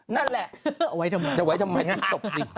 นั่นแหละเอาไว้ทำไมจะไว้ทำไมไม่ตบสิ